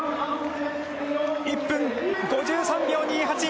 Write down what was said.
１分５３秒２８。